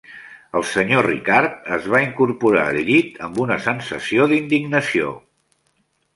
El senyor Ricardo es va incorporar al llit amb una sensació d'indignació.